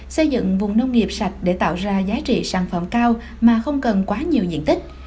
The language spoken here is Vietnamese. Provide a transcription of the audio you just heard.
xây dựng vùng nông nghiệp sạch để tạo ra giá trị sản phẩm cao mà không cần quá nhiều diện tích